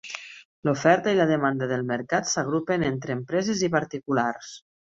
L'oferta i la demanda del mercat s'agrupen entre empreses i particulars.